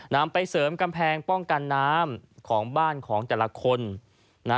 นำไปเสริมกำแพงป้องกันน้ำของบ้านของแต่ละคนนะ